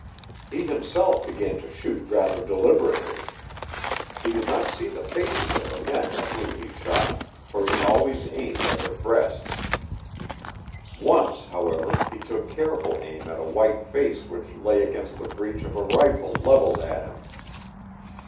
He himself began to shoot rather deliberately. He did not see the faces of the men at whom he shot, for he always aimed at their breasts. Once, however, he took careful aim at a white face which lay against the breech of a rifle leveled at him.